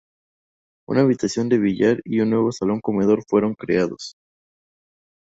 Una habitación de billar y un nuevo salón comedor fueron creados.